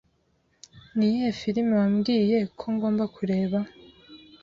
Niyihe firime wambwiye ko ngomba kureba?